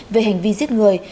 về hành vi giết người